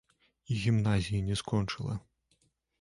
І гімназіі не скончыла.